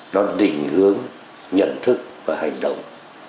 nó định hướng nhận thức và hành động